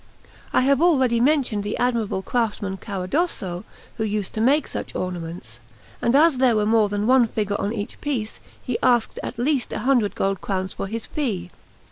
I have already mentioned the admirable craftsman Caradosso, who used to make such ornaments; and as there were more than one figure on each piece, he asked at least a hundred gold crowns for his fee.